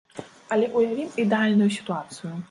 Але ўявім ідэальную сітуацыю.